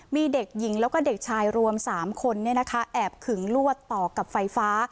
มีเด็กหญิงแล้วก็เด็กชายรวม๓คนแอบขึงลวดต่อกับไฟฟ้า